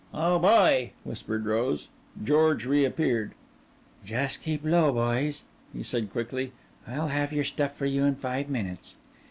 "Oh, boy!" whispered Rose. George reappeared. "Just keep low, boys," he said quickly. "I'll have your stuff for you in five minutes."